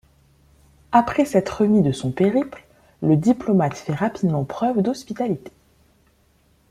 Après s'être remis de son périple, le diplomate fait rapidement preuve d'hospitalité.